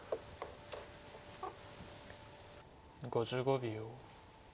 ５５秒。